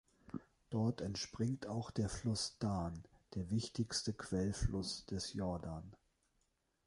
Dort entspringt auch der Fluss Dan, der wichtigste Quellfluss des Jordan.